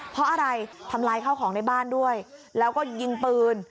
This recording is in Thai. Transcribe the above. เพราะอะไรทำลายข้าวของในบ้านด้วยแล้วก็ยิงปืน